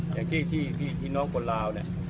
อย่างที่พี่น้องคนลาวเนี่ย